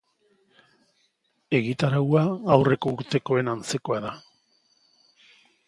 Egitaraua aurreko urtekoen antzekoa da.